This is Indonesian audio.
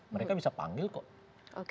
mereka bisa panggil kok